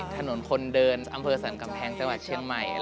ถนนคนเดินอำเภอสรรกำแพงจังหวัดเชียงใหม่